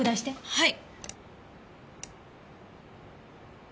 はい。